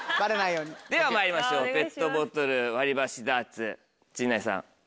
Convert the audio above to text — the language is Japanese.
ではまいりましょうペットボトル割り箸ダーツ陣内さん